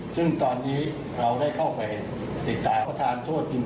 ซึ่งตอนนี้เราได้เข้าไปติดตามประธานโทษจริง